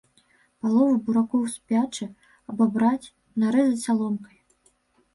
Палову буракоў спячы, абабраць, нарэзаць саломкай.